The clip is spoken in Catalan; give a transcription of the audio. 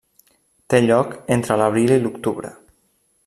Té lloc entre l'abril i l'octubre.